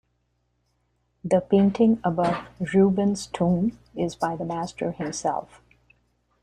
The painting above Rubens' tomb is by the master himself.